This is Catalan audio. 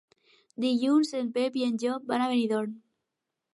Dilluns en Pep i en Llop van a Benidorm.